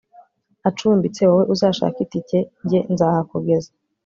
acumbitse wowe uzashake itiki jye nzahakugeza